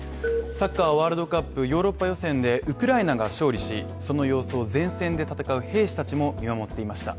サッカーワールドカップヨーロッパ予選で、ウクライナが勝利し、その様子を前線で戦う兵士たちも見守っていました。